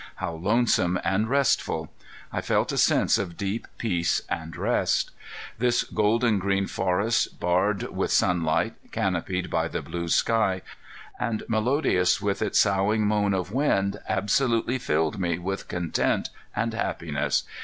How lonesome and restful! I felt a sense of deep peace and rest. This golden green forest, barred with sunlight, canopied by the blue sky, and melodious with its soughing moan of wind, absolutely filled me with content and happiness.